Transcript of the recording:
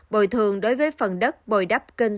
bồi thường đối với phần đất bồi đắp kinh tế